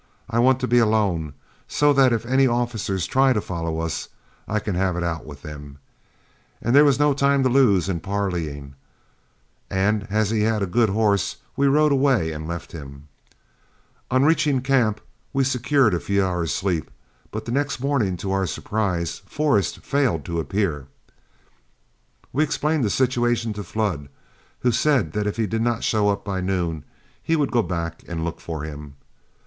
I want to be alone, so that if any officers try to follow us up, I can have it out with them." [Illustration: CELEBRATING IN DODGE] As there was no time to lose in parleying, and as he had a good horse, we rode away and left him. On reaching camp, we secured a few hours' sleep, but the next morning, to our surprise, Forrest failed to appear. We explained the situation to Flood, who said if he did not show up by noon, he would go back and look for him.